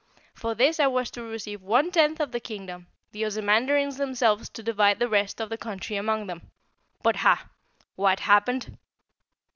For this I was to receive one tenth of the Kingdom, the Ozamandarins themselves to divide the rest of the country among them. But Hah! What happened?"